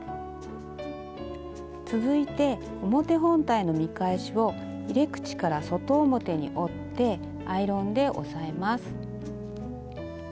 続いて表本体の見返しを入れ口から外表に折ってアイロンで押さえます。